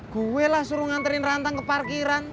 gue lah suruh nganterin rantang ke parkiran